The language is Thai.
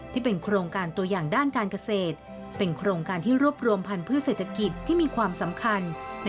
ที่เป็นโครงการตัวอย่างด้านการเกษตรเป็นโครงการที่รวบรวมพันธุ์พืชเศรษฐกิจ